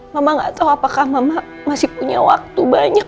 mama gak tahu apakah mama masih punya waktu banyak